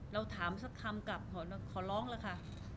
เราถามสักคำกลับขอร้องเลยค่ะ